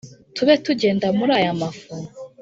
tube tugenda muri aya mafu?